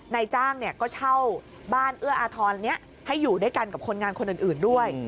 นายจ้างก็เช่าบ้านเอื้ออาทรนี้ให้อยู่ด้วยกันกับคนงานคนอื่นด้วย